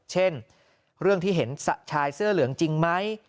เช่นเรื่องที่เห็นชายเสื้อเหลืองจริงไหม